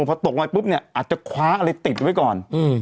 พอตกมาปุ๊บเนี่ยอาจจะคว้าอะไรติดไว้ก่อน